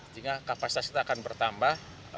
sehingga kapasitas itu akan bertambah